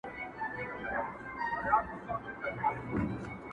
تشېدل به د شرابو ډك خمونه!!